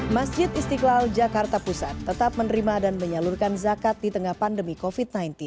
masjid istiqlal jakarta pusat tetap menerima dan menyalurkan zakat di tengah pandemi covid sembilan belas